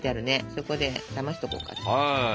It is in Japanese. そこで冷ましとこうか。